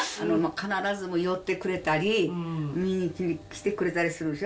必ず寄ってくれたり、見にきてくれたりするでしょ。